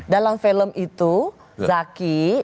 dalam film itu zaki